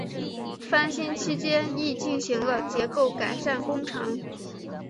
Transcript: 翻新期间亦进行了结构改善工程。